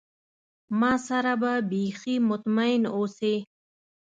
ما سره به بیخي مطمئن اوسی.